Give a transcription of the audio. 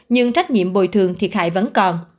nhưng trách nhiệm bồi thường thiệt hại vẫn còn